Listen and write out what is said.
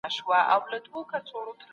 سياستوال د خپلو امکاناتو څخه ګټه پورته کوي.